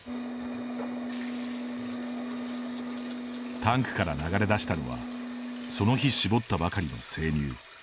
タンクから流れ出したのはその日、搾ったばかりの生乳。